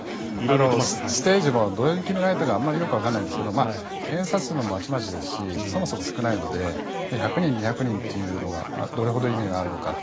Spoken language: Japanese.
ステージもどういう決め方かよくわかりませんが検査数もまちまちですしそもそも少ないので１００人、２００人というのがどれほど意味があるのかと。